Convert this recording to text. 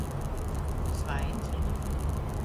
Svaiņs.